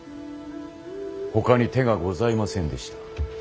ほかに手がございませんでした。